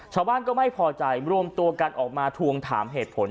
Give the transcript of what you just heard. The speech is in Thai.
ชาวบ้านก็ไม่พอใจรวมตัวกันออกมาทวงถามเหตุผล